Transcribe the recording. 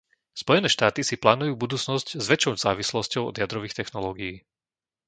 Spojené štáty si plánujú budúcnosť s väčšou závislosťou od jadrových technológii.